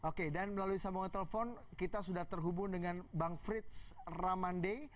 oke dan melalui sambungan telepon kita sudah terhubung dengan bang frits ramande